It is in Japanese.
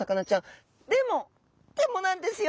でもでもなんですよ！